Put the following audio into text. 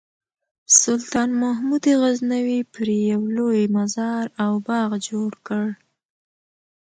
سلطان محمود غزنوي پرې یو لوی مزار او باغ جوړ کړ.